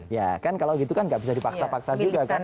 ya kan kalau gitu kan nggak bisa dipaksa paksa juga kan